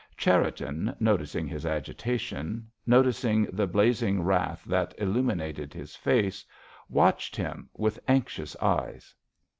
Cherriton, noticing his agitation, noticing the blazing wrath that illuminated his face, watched him with anxious eyes.